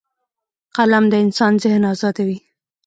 قلم د انسان ذهن ازادوي